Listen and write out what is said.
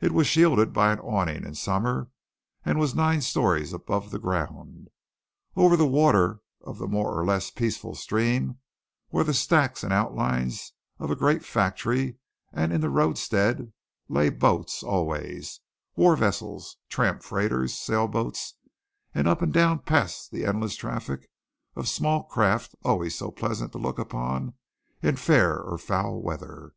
It was shielded by an awning in summer and was nine storeys above the ground. Over the water of the more or less peaceful stream were the stacks and outlines of a great factory, and in the roadstead lay boats always, war vessels, tramp freighters, sail boats, and up and down passed the endless traffic of small craft always so pleasant to look upon in fair or foul weather.